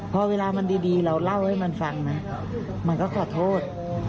พอเวลามันดีเราเล่าให้มันฟังนะมันก็ขอโทษ